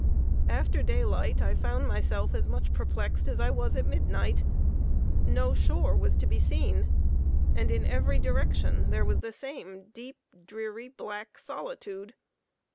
After daylight I found myself as much perplexed as I was at midnight. No shore was to be seen; and in every direction there was the same deep, dreary, black solitude.